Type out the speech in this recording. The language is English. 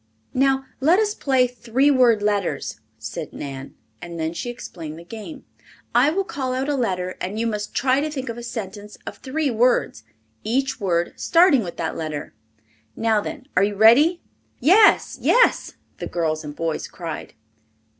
"Now let us play Three word Letters," said Nan. And then she explained the game. "I will call out a letter and you must try to think of a sentence of three words, each word starting with that letter. Now then, are you ready?" "Yes! yes!" the girls and boys cried.